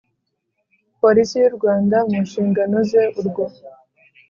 Polisi y u Rwanda mu nshingano ze Urwo